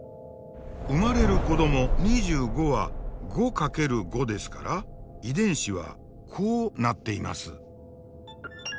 生まれる子ども２５は５×５ですから遺伝子はこうなっています。